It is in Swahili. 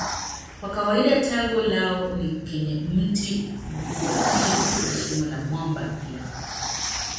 Kwa kawaida tago lao ni kwenye mti mkubwa lakini katika shimo la mwamba pia.